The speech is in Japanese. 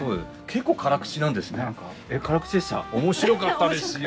面白かったですよ。